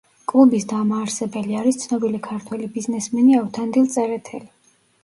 კლუბის დამაარსებელი არის ცნობილი ქართველი ბიზნესმენი ავთანდილ წერეთელი.